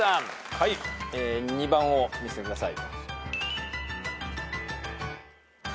はい２番を見せてください。